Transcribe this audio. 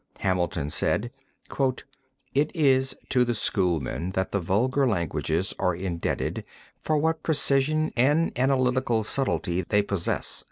Hamilton said, "It is to the schoolmen that the vulgar languages are indebted for what precision and analytical subtlety they possess."